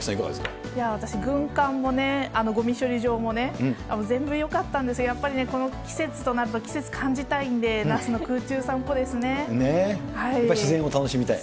私、軍艦もね、ごみ処理場もね、全然よかったんですが、やっぱりね、この季節となると、季節感じたいんで、やっぱり自然を楽しみたい。